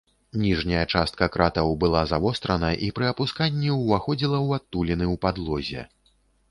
Ніжняя частка кратаў была завострана і пры апусканні ўваходзіла ў адтуліны ў падлозе.